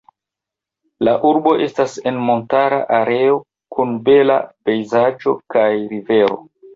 La urbo estas en montara areo kun bela pejzaĝo kaj rivero.